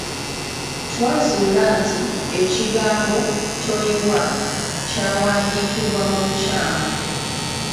Twazuula nti, ekigambo "Toyiiwa" kyawandiikibwa mu bukyamu.